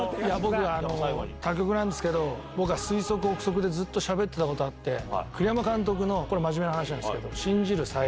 他局なんですけど僕が推測憶測でずっとしゃべってたことあって栗山監督の真面目な話ですけど。